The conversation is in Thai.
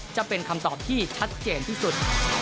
จะเป็นคำตอบที่ชัดเจนที่สุด